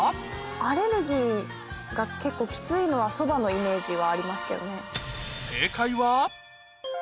アレルギーが結構きついのはそばのイメージはありますけどね。